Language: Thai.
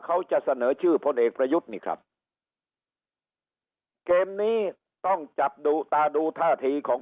เขาจะเสนอชื่อพลเอกประยุทธ์นี่ครับเกมนี้ต้องจับดูตาดูท่าทีของ